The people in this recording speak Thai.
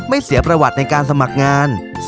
เสียประวัติในการสมัครงาน